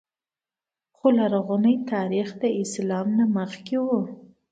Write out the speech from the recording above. خو لرغونی تاریخ له اسلام مخکې و